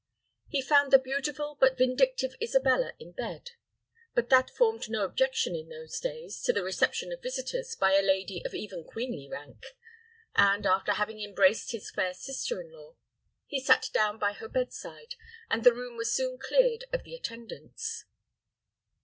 He found the beautiful but vindictive Isabella in bed; but that formed no objection in those days to the reception of visitors by a lady of even queenly rank; and, after having embraced his fair sister in law, he sat down by her bedside, and the room was soon cleared of the attendants.